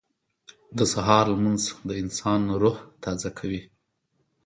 • د سهار لمونځ د انسان روح تازه کوي.